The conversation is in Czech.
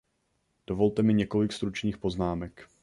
Dovolte mi několik stručných poznámek.